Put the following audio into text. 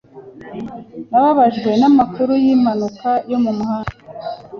Nababajwe namakuru yimpanuka yo mumuhanda.